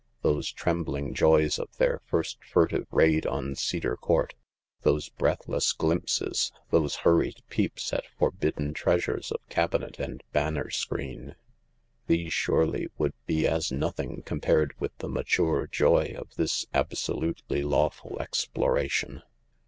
Those trembling joys of their first furtive raid on Cedar Court, those breathless glimpses, those hurried peeps at forbidden treasures of cabinet and banner screen — these surely would be as nothing compared with the mature joy of this absolutely lawful exploration.